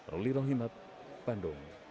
ruli rohimat bandung